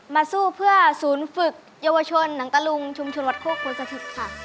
สู้เพื่อศูนย์ฝึกเยาวชนหนังตะลุงชุมชนวัดโคกบัวสถิตย์ค่ะ